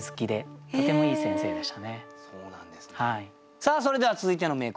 さあそれでは続いての名句